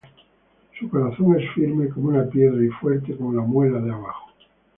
Su corazón es firme como una piedra, Y fuerte como la muela de abajo.